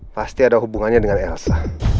pasti ada hubungannya dengan elsa